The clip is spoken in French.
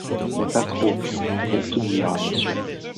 Mais pas trop, pour tout dire à monsieur.